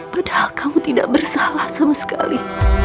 padahal kamu tidak bersalah sama sekali